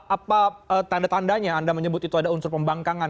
apa tanda tandanya anda menyebut itu ada unsur pembangkangan